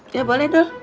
ya boleh dul